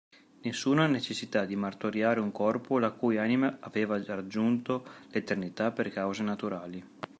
Nessuna necessità di martoriare un corpo la cui anima aveva raggiunto l'eternità per cause naturali.